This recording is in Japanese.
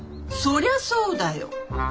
そりゃそうだよ。